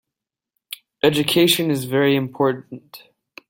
Education is very important.